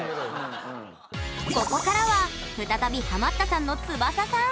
ここからは再びハマったさんのつばささん。